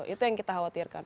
itu yang kita khawatirkan